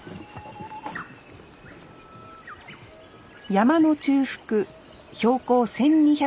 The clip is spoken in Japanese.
山の中腹標高１，２００ｍには沼ッ